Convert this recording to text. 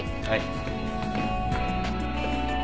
はい。